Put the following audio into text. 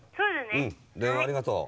電話ありがとう。